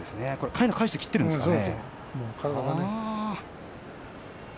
かいなを返して切っているんですかね。